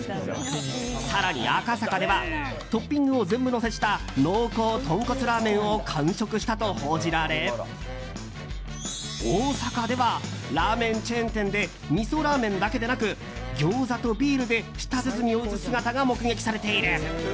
更に、赤坂ではトッピングを全部のせした濃厚豚骨ラーメンを完食したと報じられ大阪ではラーメンチェーン店でみそラーメンだけでなくギョーザとビールで舌鼓を打つ姿が目撃されている。